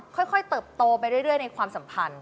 เติบโตไปเรื่อยในความสัมพันธ์